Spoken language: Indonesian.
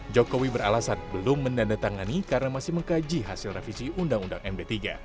jokowi beralasan belum menandatangani karena masih mengkaji hasil revisi undang undang md tiga